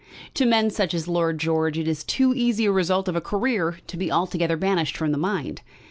To men such as Lord George it is too easy a result of a career to be altogether banished from the mind.